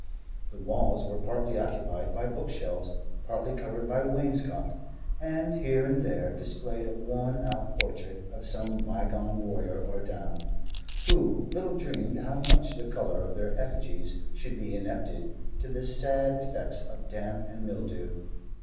The walls were partly occupied by bookshelves, partly covered by wainscot, and here and there displayed a worn out portrait of some bygone warrior or dame, who little dreamed how much the color of their effigies should be indebted to the sad effects of damp and mildew.